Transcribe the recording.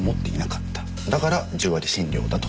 だから１０割診療だと。